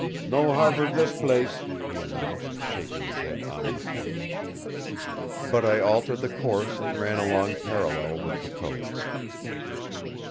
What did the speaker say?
"No harbour this place," he announced, shaking his head ominously. But I altered the course and ran along parallel with the coast.